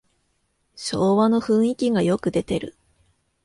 昭和の雰囲気がよく出てる